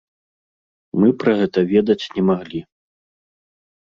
Мы пра гэта ведаць не маглі.